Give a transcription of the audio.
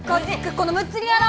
このむっつり野郎！